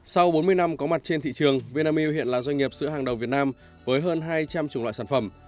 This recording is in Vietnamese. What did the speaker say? sau bốn mươi năm có mặt trên thị trường vinamilk hiện là doanh nghiệp sữa hàng đầu việt nam với hơn hai trăm linh chủng loại sản phẩm